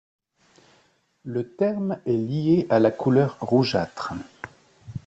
Le terme est lié à la couleur rougeâtre.